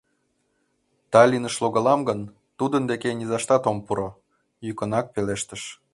— Таллинныш логалам гын, тудын деке низаштат ом пуро! — йӱкынак пелештыш.